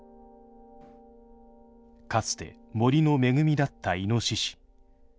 かつて森の恵みだったイノシシ。